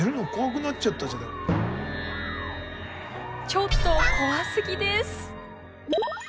ちょっと怖すぎです。